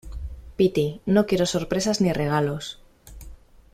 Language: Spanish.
piti, no quiero sorpresas ni regalos